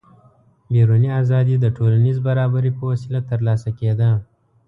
بیروني ازادي د ټولنیز برابري په وسیله ترلاسه کېده.